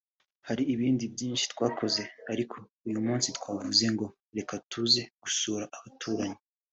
hari ibindi byinshi twakoze ariko uyu munsi twavuze ngo reka tuze gusura abaturanyi